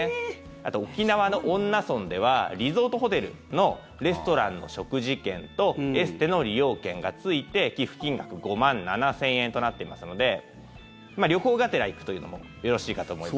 あと沖縄の恩納村ではリゾートホテルのレストランの食事券とエステの利用券がついて寄付金額５万７０００円となっていますので旅行がてら行くというのもよろしいかと思います。